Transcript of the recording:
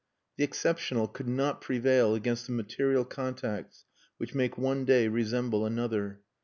The exceptional could not prevail against the material contacts which make one day resemble another.